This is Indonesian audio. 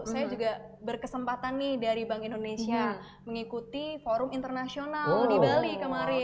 saya juga berkesempatan nih dari bank indonesia mengikuti forum internasional di bali kemarin